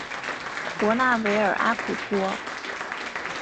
博纳维尔阿普托。